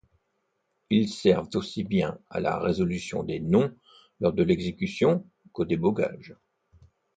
Ils servent aussi bien à la résolution des noms lors de l'exécution qu'au débogage.